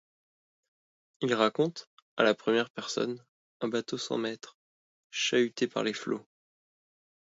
Il raconte, à la première personne, un bateau sans maître, chahuté par les flots.